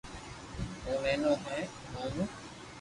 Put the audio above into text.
او نينو ھي مون مون